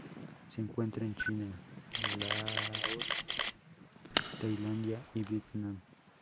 Se encuentra en China, Laos, Tailandia y Vietnam.